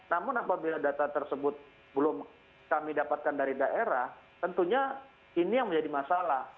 namun apabila data tersebut belum kami dapatkan dari daerah tentunya ini yang menjadi masalah